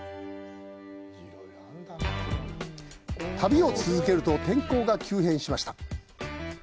旅を続けると天候が急変しました。